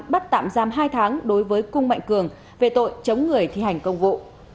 bắt tạm giam hai tháng đối với cung mạnh cường về tội chống người thi hành công vụ